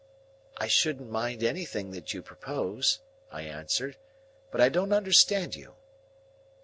"I shouldn't mind anything that you propose," I answered, "but I don't understand you."